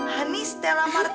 habislah lo yang mau ikut